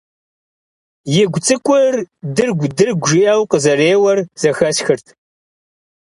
И гу цӀыкӀур «дыргу-дыргу» жиӀэу къызэреуэр зэхэсхырт.